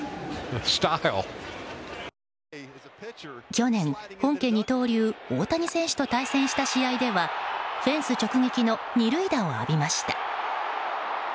去年、本家二刀流大谷選手と対戦した試合ではフェンス直撃の２塁打を浴びました。